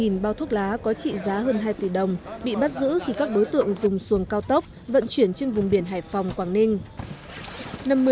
một bao thuốc lá có trị giá hơn hai tỷ đồng bị bắt giữ khi các đối tượng dùng xuồng cao tốc vận chuyển trên vùng biển hải phòng quảng ninh